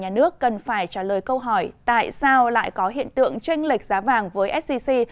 nhà nước cần phải trả lời câu hỏi tại sao lại có hiện tượng tranh lệch giá vàng với sgc